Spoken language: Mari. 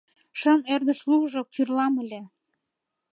— Шым ӧрдыж лужо кӱрлам ыле!